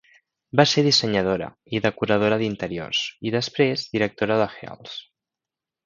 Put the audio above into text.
Va ser dissenyadora i decoradora d'interiors, i després directora de Heal's.